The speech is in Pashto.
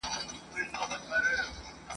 یو تر بله یې په ساندوکي سیالي وه ..